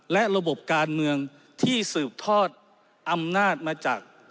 และระบบการเมืองที่สืบทอดอำนาจมาจาก